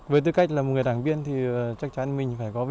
và nó có cái gì